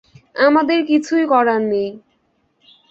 আমাদের কিছুই করার নেই!